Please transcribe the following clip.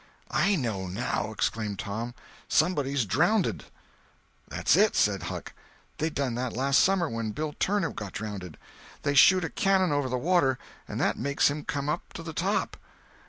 "I know now!" exclaimed Tom; "somebody's drownded!" "That's it!" said Huck; "they done that last summer, when Bill Turner got drownded; they shoot a cannon over the water, and that makes him come up to the top.